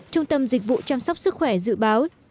trung tâm dịch vụ chăm sóc sức khỏe dự báo